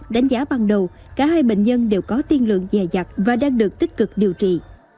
đánh giá ban đầu cả hai bệnh nhân đều có tiên lượng dè dặt và đang được tích cực điều trị